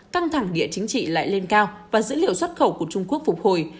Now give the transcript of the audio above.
căng thẳng địa chính trị lại lên cao và dữ liệu xuất khẩu của trung quốc phục hồi